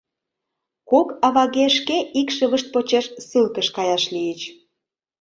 Кок аваге шке икшывышт почеш ссылкыш каяш лийыч.